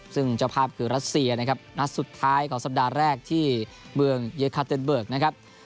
ซึ่งเจ้าภาพคือรัสเซียนะครับนัดสุดท้ายของสัปดาห์แรกที่เมืองเยคาเต็นเบิร์กนะครับ